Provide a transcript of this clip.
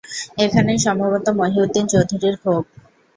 এখানেই সম্ভবত মহিউদ্দিন চৌধুরীর ক্ষোভ।